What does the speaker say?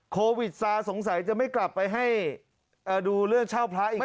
โควิดซาสงสัยจะไม่กลับไปให้ดูเรื่องเช่าพระอีก